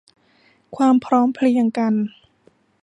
ความพร้อมเพรียงกัน